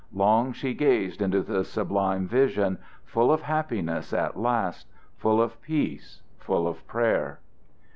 Long she gazed into that sublime vision, full of happiness at last, full of peace, full of prayer.